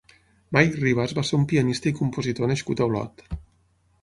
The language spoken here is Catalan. Mike Ribas va ser un pianista i compositor nascut a Olot.